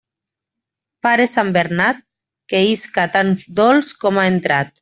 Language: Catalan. Pare sant Bernat, que isca tan dolç com ha entrat.